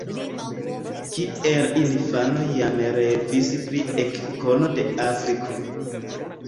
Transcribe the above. Kiel infano jam revis pri ekkono de Afriko.